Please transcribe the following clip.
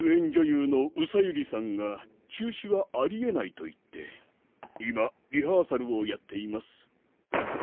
ゆうのうさゆりさんがちゅうしはありえないといっていまリハーサルをやっています。